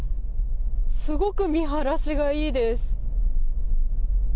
すごく見晴らしがいいです。